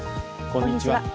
こんにちは。